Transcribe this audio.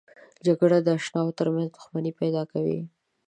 جګړه د اشناو ترمنځ دښمني پیدا کوي